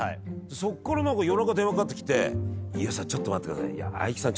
そっから夜中電話かかってきて「飯尾さん待ってください」「藍木さん